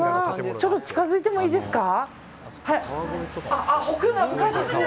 ちょっと近づいてもいいですか？